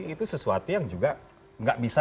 itu sesuatu yang juga nggak bisa